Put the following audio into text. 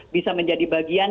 bisa menjadi bagian